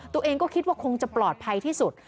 ตัวเองก็คิดว่าคงจะปลอดภัยที่สุด